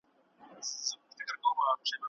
واکمن به نامحرمه د بابا د قلا نه وي